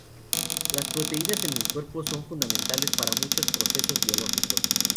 Las proteínas en el cuerpo son fundamentales para muchos procesos biológicos.